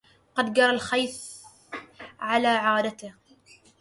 قد جرى الغيث على عاداته